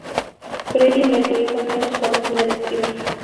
Freddie Mercury ponía los coros en el estribillo.